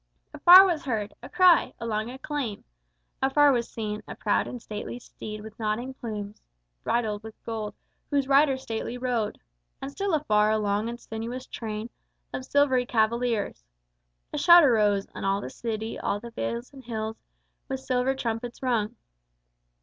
Afar was heard A cry, a long acclaim. Afar was seen A proud and stately steed with nodding plumes, Bridled with gold, whose rider stately rode, And still afar a long and sinuous train Of silvery cavaliers. A shout arose, And all the city, all the vales and hills, With silver trumpets rung.